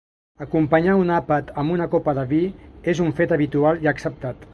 Acompanyar un àpat amb una copa de vi és un fet habitual i acceptat.